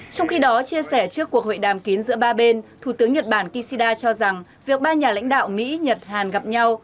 trong khi đó chia sẻ trước cuộc hội đàm kiến giữa ba bên thủ tướng nhật bản kishida cho rằng việc ba nhà lãnh đạo mỹ nhật hàn gặp nhau